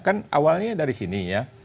kan awalnya dari sini ya